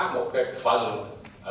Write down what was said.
một cái phần ở bình thận